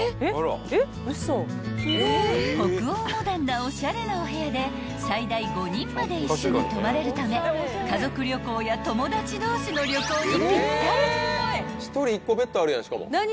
［北欧モダンなおしゃれなお部屋で最大５人まで一緒に泊まれるため家族旅行や友達同士の旅行にぴったり］